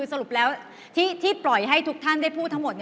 สรุปแล้วที่ปล่อยให้ทุกท่านได้พูดทั้งหมด